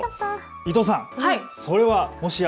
伊藤さん、それはもしや。